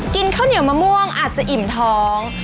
กินข้าวเหนียวมะม่วงอาจจะอิ่มท้อง